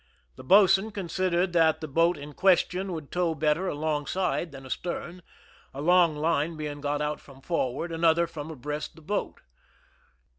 The boatswain considered that the boat in question would tow better alongside than astern, a long line being got out from forward, another from abreast the boat.